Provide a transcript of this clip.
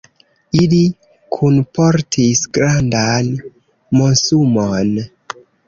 Ili kunportis grandan monsumon.